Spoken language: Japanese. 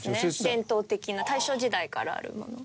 伝統的な大正時代からあるもの。